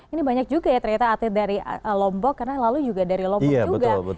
ini banyak juga ya ternyata atlet dari lombok karena lalu juga dari lombok juga